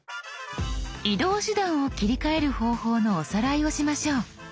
移動手段を切り替える方法のおさらいをしましょう。